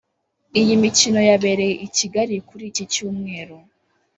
Iyi mikino yabereye i Kigali kuri iki Cyumweru